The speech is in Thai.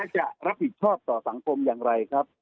จะรับผิดชอบต่อสังคมอย่างไรครับ